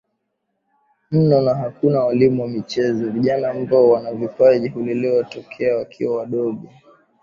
mno na hakuna walimu wa michezo Vijana ambao wana vipaji hulelewa tokea wakiwa wadogo